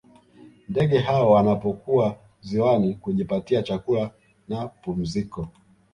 Ndege hao wanapokuwa ziwani kujipatia chakula na pumziko